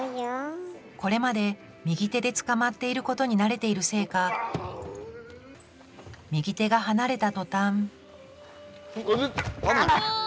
これまで右手でつかまっていることに慣れているせいか右手が離れた途端うわっ。